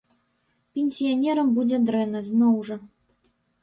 Пенсіянерам будзе дрэнна, зноў жа.